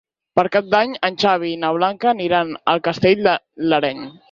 Per Cap d'Any en Xavi i na Blanca aniran a Castell de l'Areny.